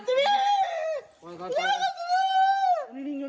ถูกพักล่าเถอะ